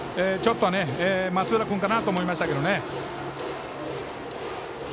松浦君かなと思いましたけどね。